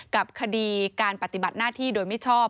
กับคดีการปฏิบัติหน้าที่โดยมิชอบ